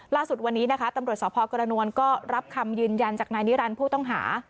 ล่าสุดวันนี้นะคะตำรวจสพกรณวลก็รับคำยืนยันจากนายนิรันดิ์ผู้ต้องหา